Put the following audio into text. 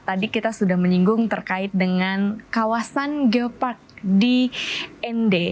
tadi kita sudah menyinggung terkait dengan kawasan geopark di nd